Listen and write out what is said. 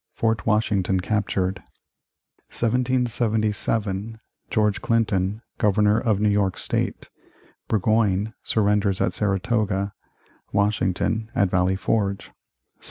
Fort Washington captured 1777. George Clinton, Governor of New York State Burgoyne surrenders at Saratoga Washington at Valley Forge 1780.